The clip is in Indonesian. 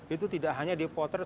itu tidak hanya dipotret